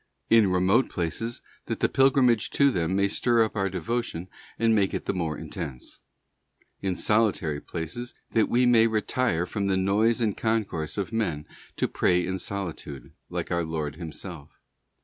In remote places, that the pilgrimage to them may stir up our devotion, and make it the more intense. In solitary places, that we may retire from the noise and concourse of men to pray in soli tude, like our Lord himself.